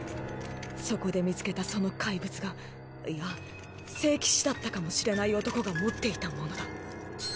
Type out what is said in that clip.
そこで見つけたその怪物がいや聖騎士だったかもしれない男が持っていたものだ。